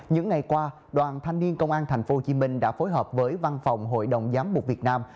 những ngày qua đoàn thanh niên công an tp hcm đã phối hợp với văn phòng hội đồng giám mục việt nam